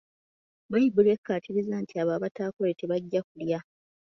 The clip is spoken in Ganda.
Bbayibuli ekkaatiriza nti abo abataakole tebajja kulya.